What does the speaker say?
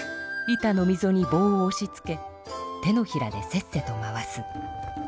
板のみぞにぼうをおしつけ手のひらでせっせと回す。